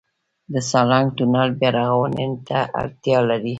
د سالنګ تونل بیارغونې ته اړتیا لري؟